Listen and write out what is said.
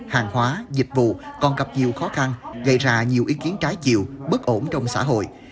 hàng hóa dịch vụ còn gặp nhiều khó khăn gây ra nhiều ý kiến trái chiều bất ổn trong xã hội